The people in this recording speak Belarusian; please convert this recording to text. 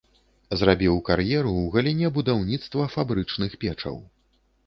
Зрабіў кар'еру ў галіне будаўніцтва фабрычных печаў.